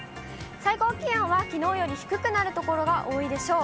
最高気温はきのうより低くなる所が多いでしょう。